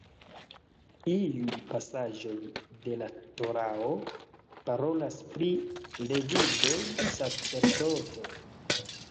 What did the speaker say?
Iuj pasaĵoj de la Torao parolas pri “levidoj sacerdotoj”.